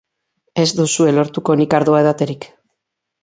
Ez duzue lortuko nik ardoa edaterik!